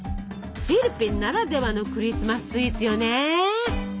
フィリピンならではのクリスマススイーツよね！